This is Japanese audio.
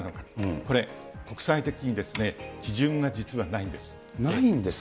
これ、国際的に基準が実はないんないんですか。